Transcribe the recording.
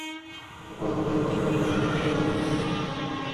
এসব পণ্য প্রথমে কনটেইনার খুলে খালাস করে বন্দরের নির্ধারিত শেডে রাখা হয়।